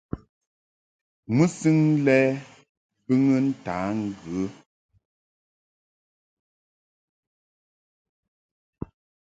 Mɨsɨŋ lɛ bɨŋɨ ntǎ ŋgə.